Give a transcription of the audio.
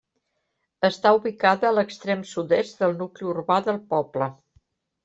Està ubicada a l'extrem sud-est del nucli urbà del poble.